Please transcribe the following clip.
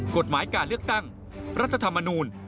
กฎหมายการเลือกตั้งรัฐธรรมนูล